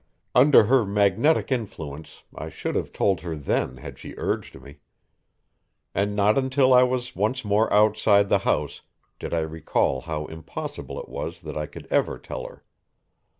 Under her magnetic influence, I should have told her then had she urged me. And not until I was once more outside the house did I recall how impossible it was that I could ever tell her.